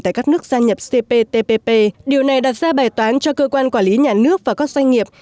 tại các nước gia nhập cptpp điều này đặt ra bài toán cho cơ quan quản lý nhà nước và các doanh nghiệp